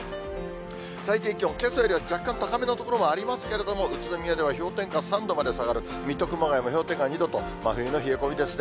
最低気温、けさよりは若干高めの所もありますけれども、宇都宮では氷点下３度まで下がる、水戸、熊谷も氷点下２度と、真冬の寒さですね。